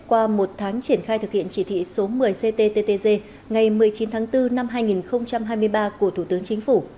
qua một tháng triển khai thực hiện chỉ thị số một mươi cttg ngày một mươi chín tháng bốn năm hai nghìn hai mươi ba của thủ tướng chính phủ